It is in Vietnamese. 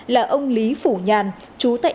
là ông lý phủ nhàn chú tại